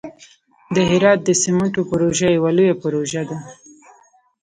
د هرات د سمنټو پروژه یوه لویه پروژه ده.